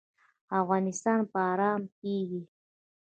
افغانستان به ارام کیږي؟